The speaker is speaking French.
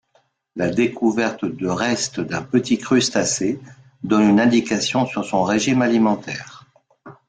La découverte de restes d'un petit crustacé donne une indication sur son régime alimentaire.